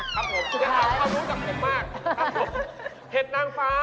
ครับผมเห็ดนางฟ้า